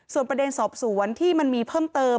ส่วนประเด็นสอบสวนที่มันมีเพิ่มเติม